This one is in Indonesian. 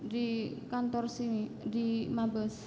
di kantor sini di mabes